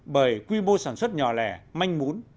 bởi quy mô sản xuất nhỏ lẻ manh mũn